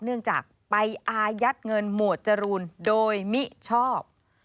เนื่องจากไปอายัดเงินหมวดจรูนโดยมิชอบ